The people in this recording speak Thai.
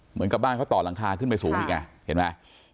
เหมือนกับบ้านเขาต่อหลังคาขึ้นไปสูงอีกไงเห็นไหม